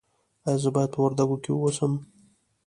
ایا زه باید په وردګو کې اوسم؟